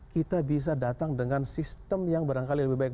kita bisa datang dengan sistem yang barangkali lebih baik